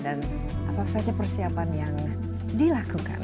apa saja persiapan yang dilakukan